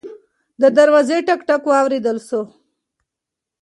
د دروازې ټک ټک واورېدل شو.